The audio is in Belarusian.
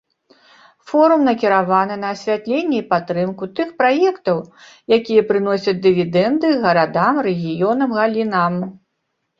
Форум накіраваны на асвятленне і падтрымку тых праектаў, якія прыносяць дывідэнды гарадам, рэгіёнам, галінам.